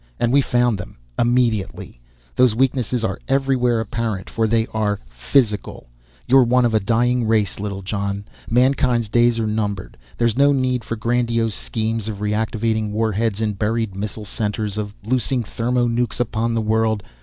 And we found them, immediately. Those weaknesses are everywhere apparent, for they are physical. You're one of a dying race, Littlejohn. Mankind's days are numbered. There's no need for grandiose schemes of reactivating warheads in buried missile centers, of loosing thermo nucs upon the world.